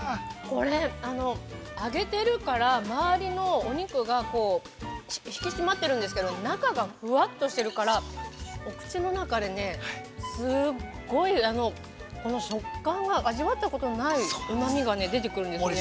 ◆これ揚げてるから、回りのお肉が引き締まってるんですけど、中がふわっとしてるから、お口の中で、すごいこの食感が、味わったことのないうまみが出てくるんですね。